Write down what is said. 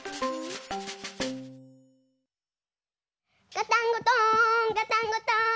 ガタンゴトーンガタンゴトーン。